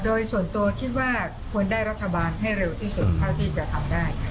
โดยส่วนตัวคิดว่าควรได้รัฐบาลให้เร็วที่สุดเท่าที่จะทำได้